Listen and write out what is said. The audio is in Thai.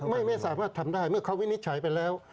ไม่สามารถทำได้เมื่อเขาวินิจฉัยไปแล้ว